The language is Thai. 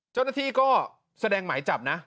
เจ้าหน้าที่ก็แสดงหมายจับนะ